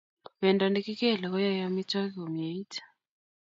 Pendo ne kikelei koyaei amitwogik komieit